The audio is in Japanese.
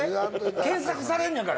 検索されんねんから。